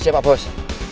siap pak bos